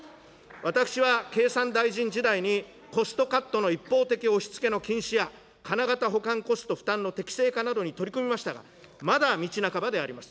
私は経産大臣時代に、コストカットの一方的押しつけの禁止や、金型保管コストの負担適正化などに取り組みましたが、まだ道半ばであります。